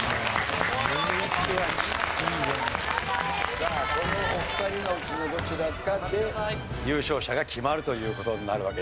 さあこのお二人のうちのどちらかで優勝者が決まるという事になるわけです。